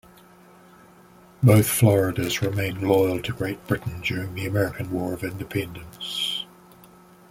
Both Floridas remained loyal to Great Britain during the American War of Independence.